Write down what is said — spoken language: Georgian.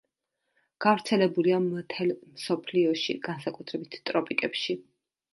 გავრცელებულია მთელ მსოფლიოში, განსაკუთრებით ტროპიკებში.